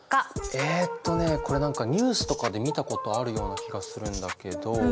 えっとねこれ何かニュースとかで見たことあるような気がするんだけど。